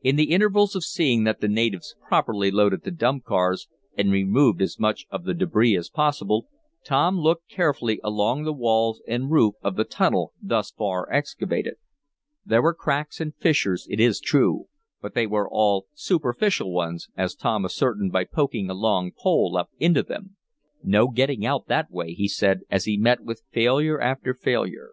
In the intervals of seeing that the natives properly loaded the dump cars, and removed as much of the debris as possible, Tom looked carefully along the walls and roof of the tunnel thus far excavated. There were cracks and fissures, it is true, but they were all superficial ones, as Tom ascertained by poking a long pole up into them. "No getting out that way," he said, as he met with failure after failure.